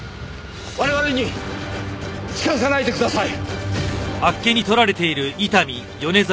我々に近づかないでください！